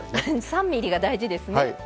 ３ｍｍが大事ですね。